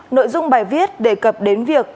nội dung bài viết đề cập đến việc